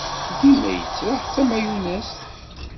Dima yettraḥ d tamayunazt.